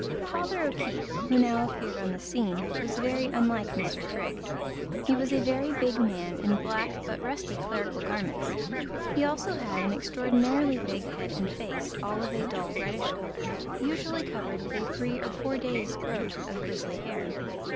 Father O'Keefe, who now appeared on the scene, was very unlike Mr. Trigg; he was a very big man in black but rusty clerical garments. He also had an extraordinarily big head and face, all of a dull, reddish colour, usually covered with a three or four days' growth of grizzly hair.